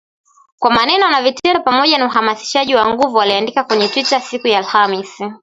kwa maneno na vitendo pamoja na uhamasishaji wa nguvu aliandika kwenye Twita siku ya Alhamisi